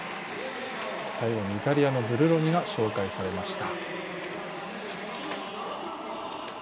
最後にイタリアのズルロニが紹介されました。